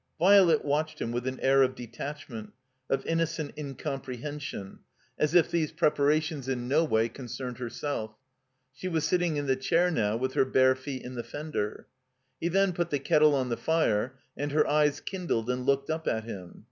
Violet watched him with an air of detachment, of innocent incomprehension, as if these preparations ^8a THE COMBINED MAZE in no way conoemed herself. She was sitting in the chair now, with her bare feet in the fender. He then put the kettle on the fire, and her eyes kindled and looked up at him.